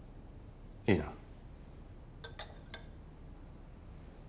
いいな。